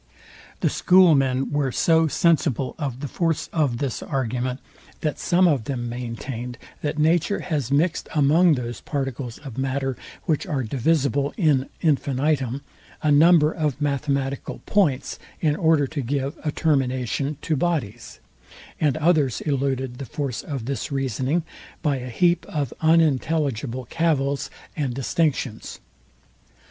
The school were so sensible of the force of this argument, that some of them maintained, that nature has mixed among those particles of matter, which are divisible in infinitum, a number of mathematical points, in order to give a termination to bodies; and others eluded the force of this reasoning by a heap of unintelligible cavils and distinctions.